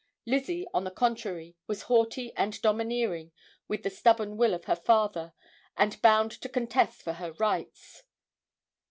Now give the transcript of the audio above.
Lizzie on the contrary, was haughty and domineering with the stubborn will of her father and bound to contest for her rights.